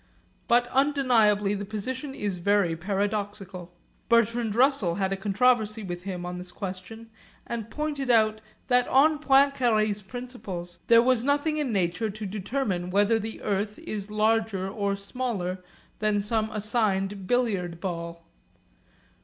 But undeniably the position is very paradoxical. Bertrand Russell had a controversy with him on this question, and pointed out that on Poincaré's principles there was nothing in nature to determine whether the earth is larger or smaller than some assigned billiard ball.